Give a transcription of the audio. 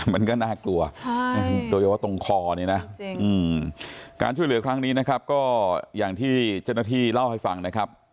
มันก็น่ากลัวโดยเฉพาะตรงคอเนี่ยนะการช่วยเหลือครั้งนี้นะครับก็อย่างที่เจ้าหน้าที่เล่าให้ฟังนะครับ